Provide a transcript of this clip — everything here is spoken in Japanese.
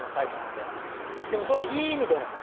でも、それはいい意味での。